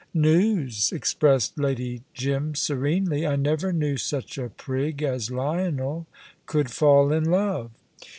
"News!" expressed Lady Jim, serenely. "I never knew such a prig as Lionel could fall in love."